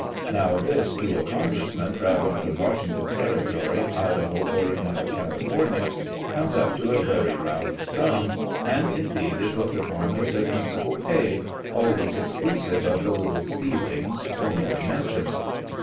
Now this to a Congressman travelling from Washington Terri tory, Idaho, Oregon, or California, comes up to a very round sum, and, indeed, is looked upon as their principal pay, always exclusive of the little "stealings" formerly mentioned.